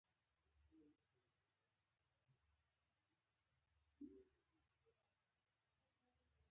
رخ راغی او زموږ بیړۍ یې ډوبه کړه.